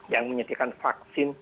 yang menyediakan vaksin